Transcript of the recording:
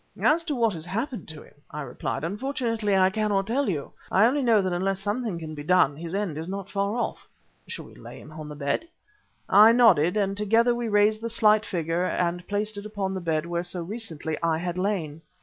"As to what has happened to him," I replied, "unfortunately I cannot tell you. I only know that unless something can be done his end is not far off." "Shall we lay him on the bed?" I nodded, and together we raised the slight figure and placed it upon the bed where so recently I had lain.